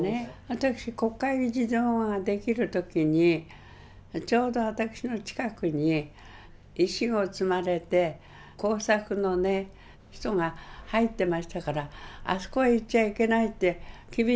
私国会議事堂が出来る時にちょうど私の近くに石を積まれて工作の人が入ってましたから「あそこへ行っちゃいけない」って厳しく言われて。